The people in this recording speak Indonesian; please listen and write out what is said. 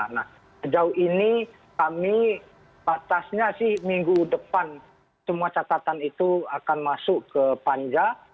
nah sejauh ini kami batasnya sih minggu depan semua catatan itu akan masuk ke panja